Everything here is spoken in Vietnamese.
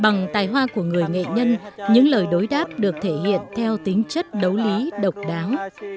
bằng tài hoa của người nghệ nhân những lời đối đáp được thể hiện theo tính chất đấu lý độc đáo